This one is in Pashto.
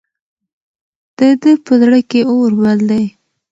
د ده په زړه کې اور بل دی.